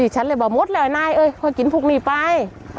ฉันเลยบอกหมดแล้วอายุกินพวกนี้ไป